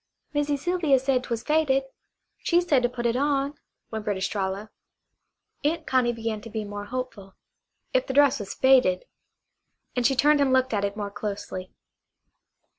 "Missy Sylvia said 'twas faded. She said to put it on," whimpered Estralla. Aunt Connie began to be more hopeful. If the dress was faded and she turned and looked at it more closely.